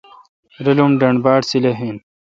رالم ڈنڈ باڑ سیلح این۔